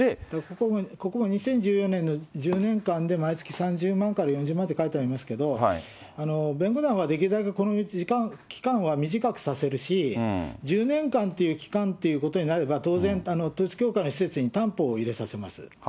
ここは２０１４年の１０年間で毎月３０万から４０万って書いてありますけど、弁護団はできるだけこの時間、期間は短くさせるし、１０年間という期間ということになれば、当然統一教会の施設に担保を入れさせます。